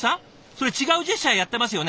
それ違うジェスチャーやってますよね？